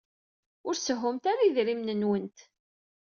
Ur sehhumt ara idrimen-nwent.